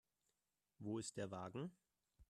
Wo ist der Wagen?